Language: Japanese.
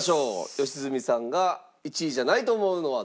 良純さんが１位じゃないと思うのはどれでしょうか？